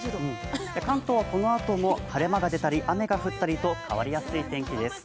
関東はこのあとも晴れ間が出たり雨が降ったりと変わりやすい天気です。